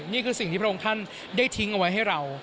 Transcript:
นี่คือสิ่งที่พระองค์ท่านได้ทิ้งเอาไว้ให้เรา